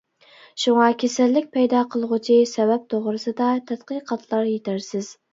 شۇڭا كېسەللىك پەيدا قىلغۇچى سەۋەب توغرىسىدا تەتقىقاتلار يېتەرسىز.